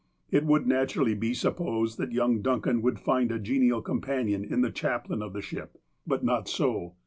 It would naturally be supposed that young Duncan would find a genial companion in the chaplain of the ship. But not so.